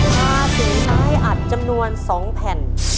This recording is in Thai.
ถ้าเกิดว่าให้อัดจำนวน๒แผ่น